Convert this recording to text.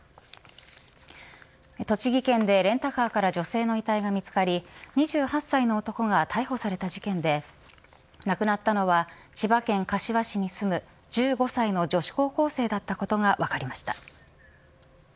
栃木県でレンタカーから女性の遺体が見つかり２８歳の男が逮捕された事件で亡くなったのは千葉県柏市に住む１５歳の女子高校生だったことが分かりました。